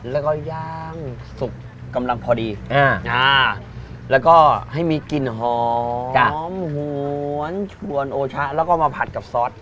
แล้วก็ย่างสุกกำลังพอดีแล้วก็ให้มีกลิ่นหอมหวนชวนโอชะแล้วก็มาผัดกับซอส